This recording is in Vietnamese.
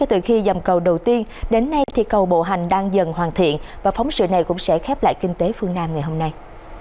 từ khi dầm cầu đầu tiên đến nay cầu bộ hành đang dần hoàn thiện và phóng sự này cũng sẽ khép lại kinh tế phương nam ngày hôm nay